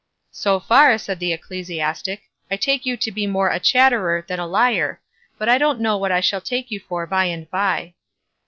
"So far," said the ecclesiastic, "I take you to be more a chatterer than a liar; but I don't know what I shall take you for by and by."